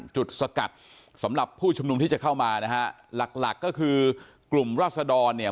สกัดสำหรับผู้ชุมนุมที่จะเข้ามานะฮะหลักหลักก็คือกลุ่มราศดรเนี่ย